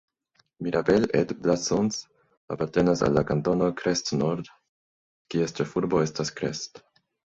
Mirabel-et-Blacons apartenas al la kantono Crest-Nord, kies ĉefurbo estas Crest.